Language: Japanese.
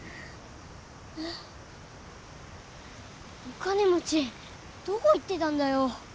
お金持ちどこ行ってたんだよ！